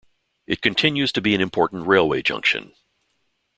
It continues to be an important railway junction.